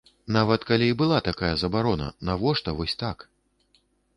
Нават калі была такая забарона, навошта вось так?